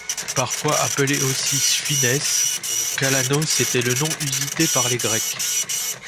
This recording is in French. Parfois appelé aussi Sphinès, Calanos était le nom usité par les Grecs.